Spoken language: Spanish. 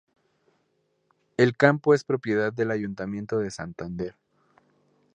El campo es propiedad del Ayuntamiento de Santander.